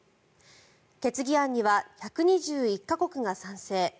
決議案には１２１か国が賛成。